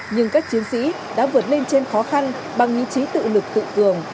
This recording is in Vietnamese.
nhưng các chiến sĩ đã vượt lên trên khó khăn bằng ý chí tự lực tự cường